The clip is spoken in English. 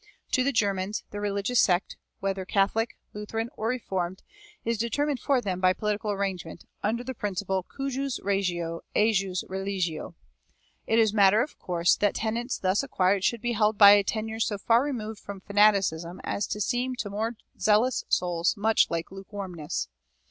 To the Germans, their religious sect, whether Catholic, Lutheran, or Reformed, is determined for them by political arrangement, under the principle cujus regio, ejus religio. It is matter of course that tenets thus acquired should be held by a tenure so far removed from fanaticism as to seem to more zealous souls much like lukewarmness.